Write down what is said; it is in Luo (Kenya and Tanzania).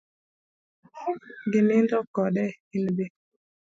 Ginindo kode en be